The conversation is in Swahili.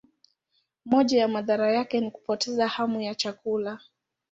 Moja ya madhara yake ni kupoteza hamu ya chakula.